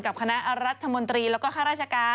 คณะรัฐมนตรีแล้วก็ข้าราชการ